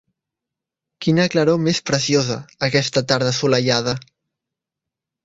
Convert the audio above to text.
Quina claror més preciosa, aquesta tarda assolellada!